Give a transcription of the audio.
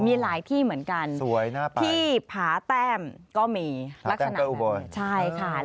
มีหลายที่เหมือนกันที่ผาแต้มก็มีลักษณะนั้น